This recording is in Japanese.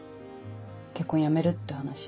結婚やめるって話。